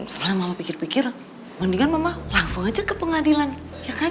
misalnya mama pikir pikir mendingan mama langsung aja ke pengadilan ya kan